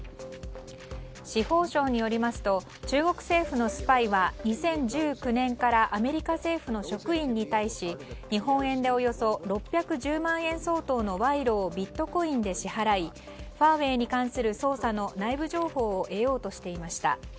司法省によりますと中国政府のスパイは２０１９年からアメリカ政府の職員に対し日本円でおよそ６１０万円相当の賄賂をビットコインで支払いファーウェイに関する捜査の内部情報を得ようとしていました。